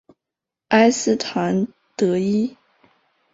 埃斯唐德伊。